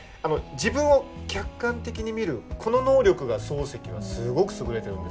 自分を客観的に見るこの能力が漱石はすごく優れてるんですよ。